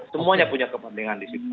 semuanya punya kepentingan di situ